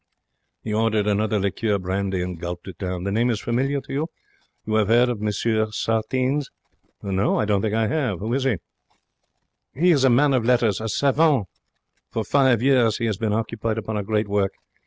He ordered another liqueur brandy and gulped it down. 'The name is familiar to you, monsieur? You 'ave 'eard of M. Sartines?' 'I don't think I have. Who is he?' 'He is a man of letters, a savant. For five years he has been occupied upon a great work.